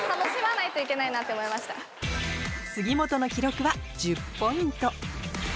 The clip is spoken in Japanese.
杉本の記録は１０ポイント